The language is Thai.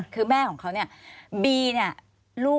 ควิทยาลัยเชียร์สวัสดีครับ